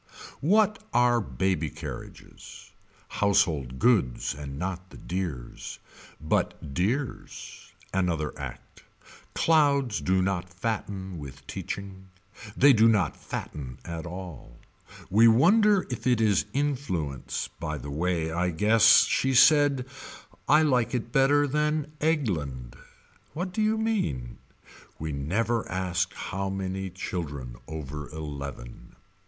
What are baby carriages Household goods And not the dears. But dears. Another Act. Clouds do not fatten with teaching. They do not fatten at all. We wonder if it is influence By the way I guess. She said. I like it better than Eggland. What do you mean. We never asked how many children over eleven.